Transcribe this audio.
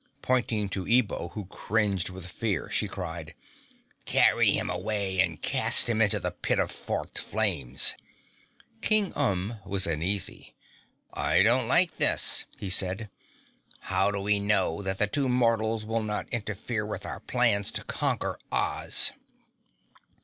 Pointing to Ebo who cringed with fear, she cried, "Carry him away and cast him into the Pit of Forked Flames." King Umb was uneasy. "I don't like this," he said. "How do we know that the two mortals will not interfere with our plans to conquer Oz?"